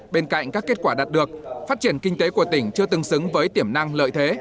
bên cạnh các kết quả đạt được phát triển kinh tế của tỉnh chưa tương xứng với tiểm năng lợi thế